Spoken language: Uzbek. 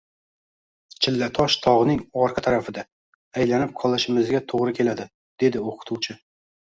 Chillatosh tog`ning orqa tarafida, aylanib qolishimizga to`g`ri keladi, dedi o`qituvchi